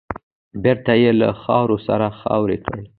بېرته يې له خاورو سره خاورې کړ .